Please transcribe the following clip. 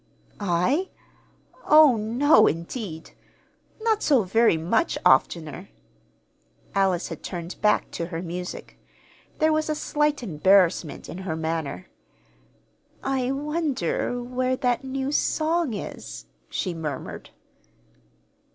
"I? Oh, no, indeed. Not so very much oftener." Alice had turned back to her music. There was a slight embarrassment in her manner. "I wonder where that new song is," she murmured.